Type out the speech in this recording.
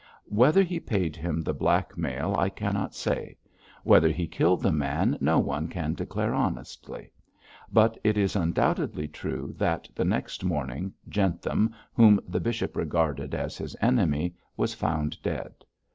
Whether he paid him the blackmail I cannot say; whether he killed the man no one can declare honestly; but it is undoubtedly true that, the next morning, Jentham, whom the bishop regarded as his enemy, was found dead.